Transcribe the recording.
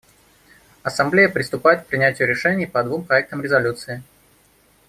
Ассамблея приступает к принятию решений по двум проектам резолюций.